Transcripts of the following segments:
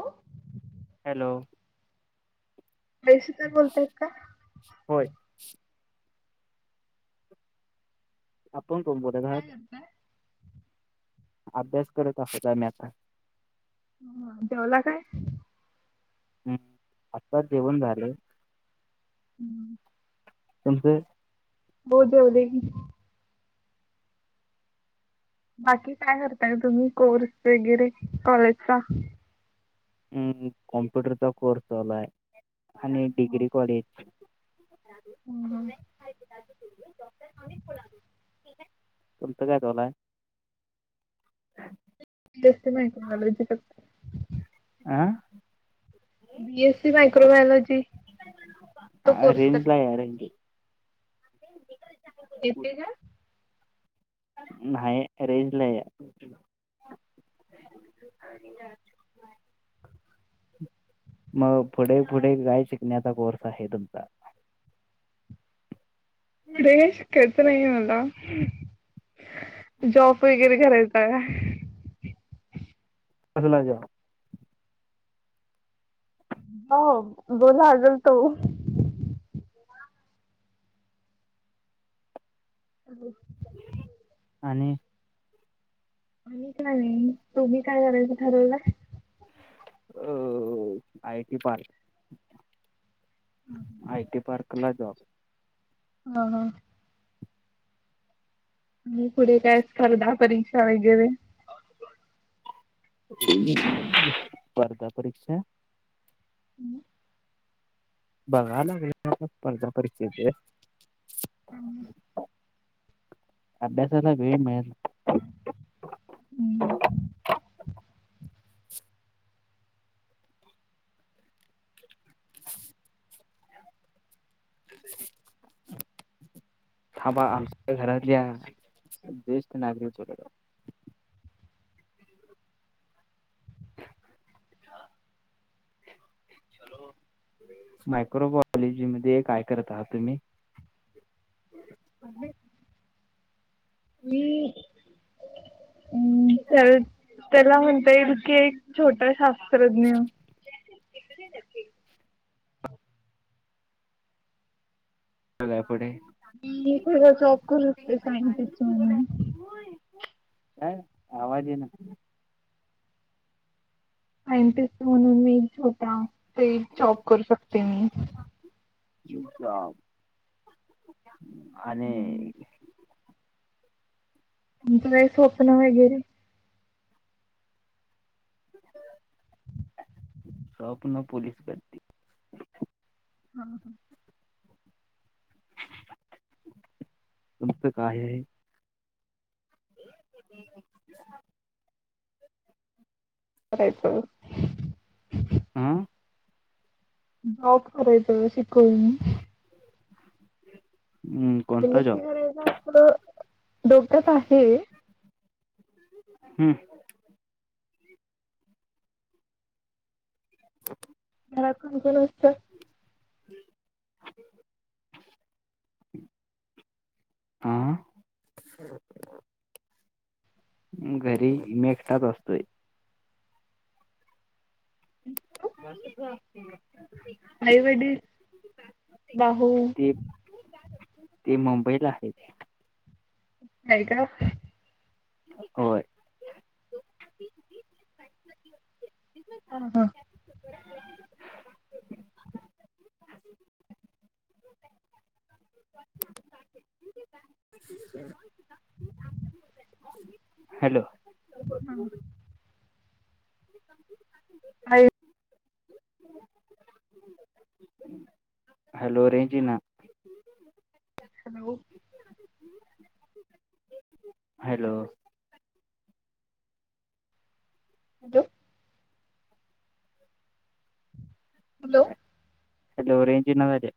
अ. Hello. आईशी तर बोलतायत का? होय. आपण कोण बोलत आहात? ताय अभ्यास करत आहोत आम्ही आता. ह, जेवला काय? हम्म, आत्ताच जेवण झाले. हं तुमचं? हो, जेवले की. बाकी काय करताय तुम्ही कोर्स वगैरे कॉलेजचा? ह्, कॉम्प्युटरचा कोर्स लाय आणि हो डिग्री कॉलेज. [unintelligible] हं हं. तुमचं काय चालू हाय? पी एसी मायक्रेनॉलॉजी फ. आह? बीएससी मायक्रोबायलॉजी तो कोर्स कर. कायर इथे ना नाही, रेंज नाही आहे. आणि मग पुढे, पुढे काय शिकण्याचा कोर्स आहे तुमचा? पुढे शिकायचं नाही आहे मला. जॉब वगैरे करायचा आहे अजला जा हो बोला आजल तो हो आणि आणिच नाही नाही तुम्ही काय करायचं ठरवला अ I T park I T park कला जॉक ह ह आणि पुढे काय स्पर्धा परीक्षा वगैरे स्पर्धा परीक्षा हम् बगाल विस स्पर्धा परीषयेत अभ्यासा एला वेळी मल हम्म [unintelligible] थांबा आमच्या घरातल्या ज्येष्ठ नागरिक च [unintelligible] मायक्रोबायलॉजी मध्ये काय करत आहात तुम्ही ह मी हम् त्या त्याला म्हणता येईल की एक छोटा शास्त्रज्ञ चल्या पुुढे म प सॉप करते सायंटिस्ट काय आवाज ये ना सायंटिस्ट म्हणून मी होता ते जॉब करू शकते मी आणि हम्म. तुमचं काही स्वप्न वगैरे स्वप्न पोलीस ब हम् हम तमत काय आहे [unintelligible] बच आं जॉब करायचं शिकून हम्म ए कोणता एसी जॉब करायला अस डोक्यात आहे हम्म [unintelligible] हकून कोत आ घरी मे एकटात असतोय [unintelligible] ब आईवडील भाऊ ते ते मुंबईला आहे नाहीय का हो हा हा [unintelligible] हॅलो हा [unintelligible] हॅलो रेंजीना येईना [unintelligible] हॅलो हो हॅलो हॅलो रेंज येण्याना झाली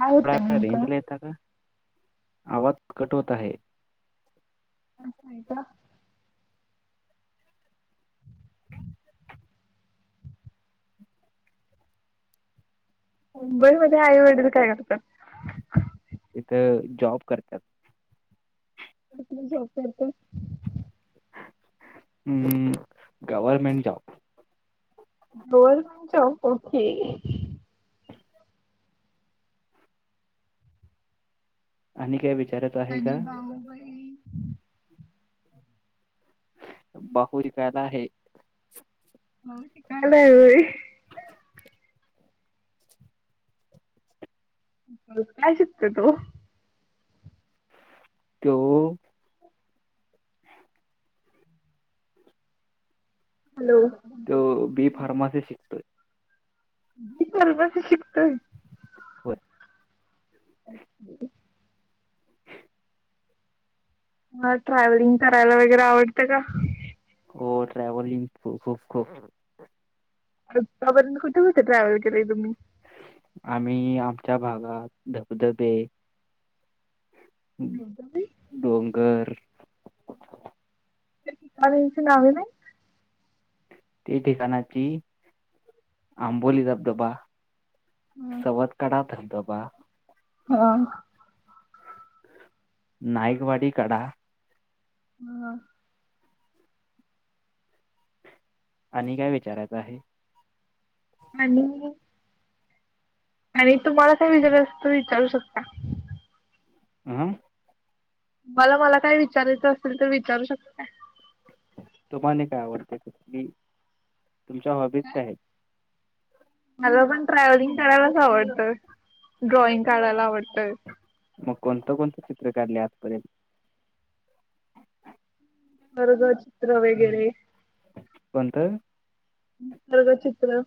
काय थोड होतंय वेळा नेमकं रेंजला येत का आवाज कट होत आहे असाय कि मुंबईमध्ये आईवडील काय करतात इथं जॉब करतात आपला जॉब करत हम्म गवर्मेंट जॉब जर पण च ओके आणि काय विचारात आणि भाऊ बहीण [unintelligible] म कायला काय शिकते तू तो हॅलो तो बी फार्मासि [unintelligible] शिकतोय हो [unintelligible] मला ट्रॅव्हलिंग करायला वगैरे आवडतं का हो ट्रॅव्हलिंग खूप खूप आत्तापर्ंत कुठे कसं ट्रॅव्हल केलंय तुम्ही आम्ही आमच्या भागात धबधबे डोंगर ची नाव नाही ते ठिकाणाची आंबोली धबधबा सवत काढ तत बा ह नाईकवाडी कडा हम आणि काय विचारायचं आहे हॅलो. आणि तुम्हाला काय विचार अस त विचारू शकता. आ. तुम्हाला मला काय विचारायचं असेल तर विचारू शकता. तुम्हाने काय आवडते की [unintelligible] तुमच्या हॉबीज काय आहेत. मला पण ट्रॅव्हलिंग करायलाच, आवडतंय ड्रॉइंग काढायला आवडत. मग कोणतं कोणतं चित्र काढले आजपर्यंत. खरगच चित्र वगैरे, कोणत? निसर्ग चित्र.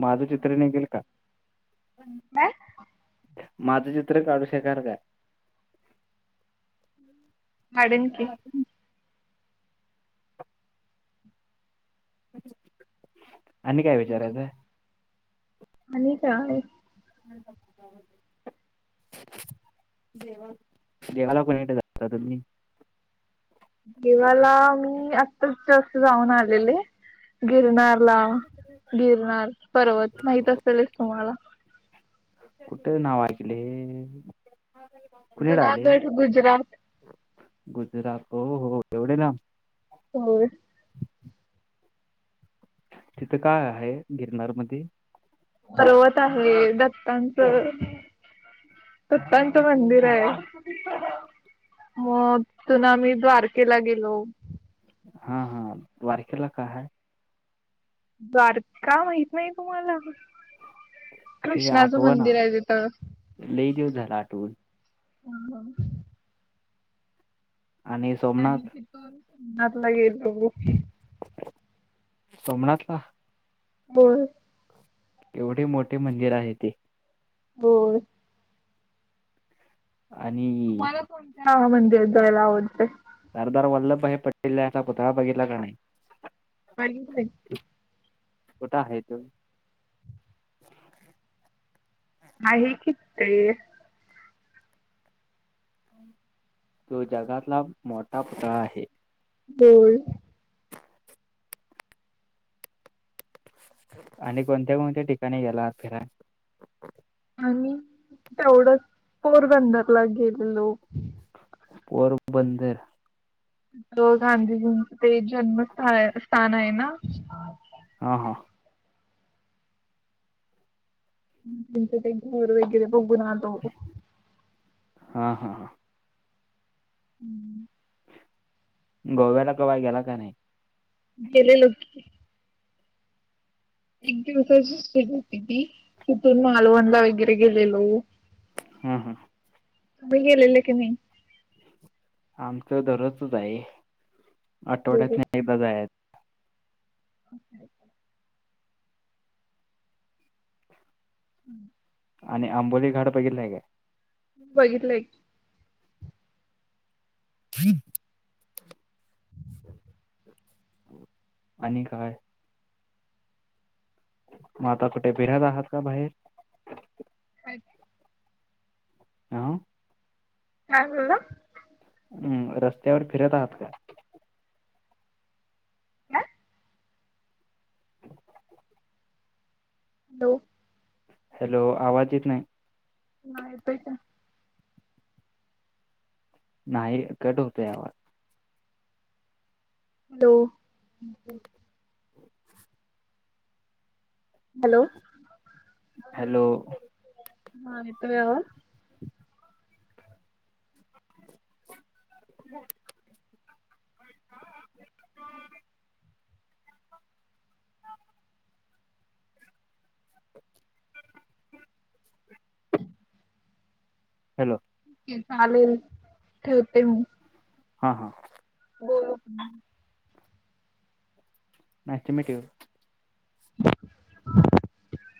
माझं चित्र निघेल का? काय? माझं चित्र काढू शकार का? हाडे न की. [unintelligible] आणि काय विचारायचं. आणि काय? ह ह [unintelligible] देवा देवाला कोणीट जात तुम्ही. [unintelligible] देवाला वू मी आत्ताच जास्ट जाऊन आलेले. गिरनार ला गिरनार, पर्वत माहीत असेलच तुम्हाला. कुठे नाव ऐकले? [unintelligible] खुले राधे जुनागढ गुजरात [unintelligible] गुजरात हो हो एवढे लांब. समोर [unintelligible] तिथं काय आहे गिरनार मध्ये. पर्वत आहे दत्तांचं. हत्तांच मंदिर आहे. मग तूना आम्ही द्वारकेला गेलो. हा हा द्वारकेला काय हाय? द्वारका माहित नाही तुम्हाला? ते कृष्णाचं आठवना मंदिर आहे तिथ. लई दिवस झाला आठवून आणि आणि सोमनाथ तिथं नाातला हे. [unintelligible] गेल सोमनाथला होय. एवढी मोठी मंदिर हाय ती. होय. आणि हा मंदि जला ओते [unintelligible] सरदार वल्लभभाई पटेल यांचा पुतळा बघितला का? अर्ग काय [unintelligible] कृठ हाय तो? आहे किच ते [unintelligible] तो जगातला मोठा पुतळा आहे. ओय आणि कोणत्या, कोणत्या ठिकाणी गेलात फिरा आणि तेवढं पोरबंदरला गेलेलो. पोरबंदर. तो गांधीजींचं चे जन्मथ स्थान स्थान आहे ना, हा हा. त्यांच्या काय घर वगैरे बघून आलो. हा ह हा. हम्म. गोव्याला कवा गेला का नाही? गेलेलो, गेलेलो. एक दिवसाचीे ट्रीप होती ती तिथून मालवणला वगैरे गेलेलो. हम्म हम्म. म गलेले की नाही? आमच दरोच आहे हो आठवड्यातन एकदा जाय अक [unintelligible] हम् [inaudible] आणि आंबोली घाड बघितला काय? बघितलंय. ह [inaudible] आणि काय? मग आता कुठे फिरत आहात का बाहेर? काय काय? ह. काय बोलला? हम्म रस्त्यावर फिरत आहात का? काय? ह [inaudible] हॅलो. हॅलो आवाज येत नाही. नाही येतय का? नाही कट होतोय आवाज. हॅलो. [inaudible] हॅलो. हॅलो. हा येतोय आवाज? [unintelligible] [inaudible] अम् [unintelligible] हॅलो. चालेल ठेवते मी. हा हा. बोलु. Nice to meet you. [unintelligible]